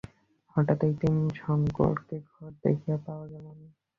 হঠাৎ একদিন শংকরকে ঘরে দেখিতে পাওয়া গেল না।